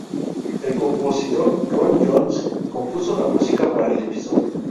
El compositor Ron Jones, compuso la música para el episodio.